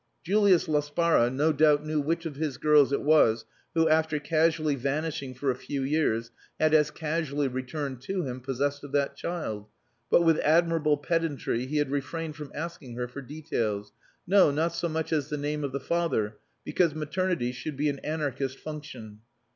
Julius Laspara no doubt knew which of his girls it was who, after casually vanishing for a few years, had as casually returned to him possessed of that child; but, with admirable pedantry, he had refrained from asking her for details no, not so much as the name of the father, because maternity should be an anarchist function.